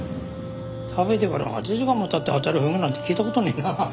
食べてから８時間も経って当たるフグなんて聞いた事ねえな。